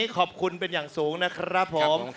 ขอบคุณเป็นอย่างสูงนะครับผม